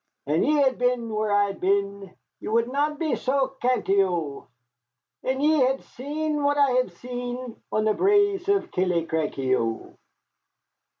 "An' ye had been where I had been, Ye wad na be sae cantie, O; An' ye had seen what I ha'e seen' On the braes o' Killiecrankie, O."